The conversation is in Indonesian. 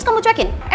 udah ajar nih